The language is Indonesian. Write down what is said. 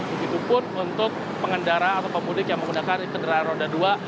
begitupun untuk pengendara atau pemudik yang menggunakan kendaraan roda dua